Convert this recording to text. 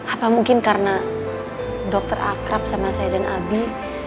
apa mungkin karena dokter akrab sama saya dan abi